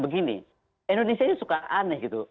begini indonesia ini suka aneh gitu